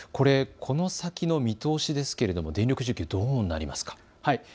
この先の見通しですが電力需給、どうなりますか。